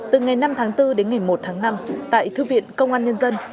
từ ngày năm tháng bốn đến ngày một tháng năm tại thư viện công an nhân dân